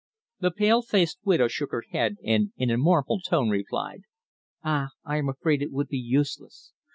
The pale faced widow shook her head, and in a mournful tone, replied: "Ah! I am afraid it would be useless.